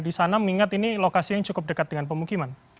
di sana mengingat ini lokasi yang cukup dekat dengan pemukiman